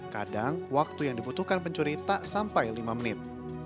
kadang waktu yang dibutuhkan pencuri tak sampai lima menit